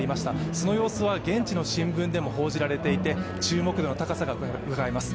その様子は現地の新聞でも報じられていて注目度の高さがうかがえます。